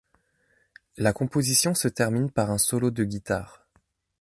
La composition se termine par un solo de guitare.